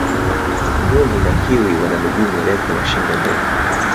mbuni na kiwi wana miguu mirefu na shingo ndefu